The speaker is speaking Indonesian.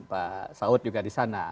pak saud juga di sana